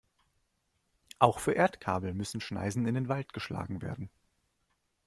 Auch für Erdkabel müssen Schneisen in den Wald geschlagen werden.